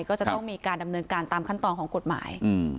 ก็จะต้องมีการดำเนินการตามขั้นตอนของกฎหมาย